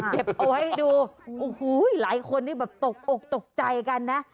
เก็บเอาไว้ดูหลายคนตกใจกันนะ